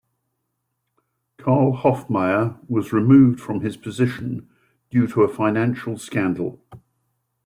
Karl Hofmaier was removed from his position due to a financial scandal.